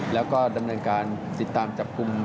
แล้วก็ดำเนินการติดตามจับกลุ่ม